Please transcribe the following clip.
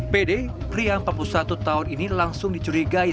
pd pria empat puluh satu tahun ini langsung dicurigai